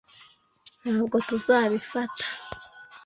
ntabwo tuzabifata